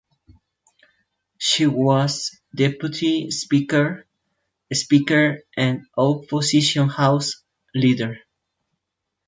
She was Deputy Speaker, Speaker and Opposition House Leader.